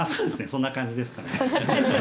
そんな感じですね。